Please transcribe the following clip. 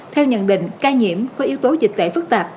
theo nhận định ca nhiễm có yếu tố dịch tễ phức tạp